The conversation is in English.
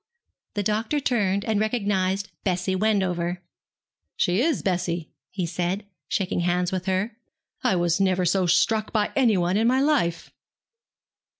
The doctor turned and recognized Bessie Wendover. 'She is, Bessie,' he said, shaking hands with her. 'I never was so struck by anyone in my life.'